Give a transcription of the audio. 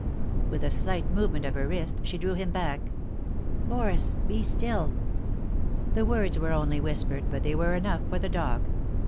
With a slight movement of her wrist she drew him back. "Boris — be still." The words were only whispered, but they were enough for the dog.